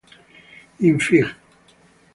In fig.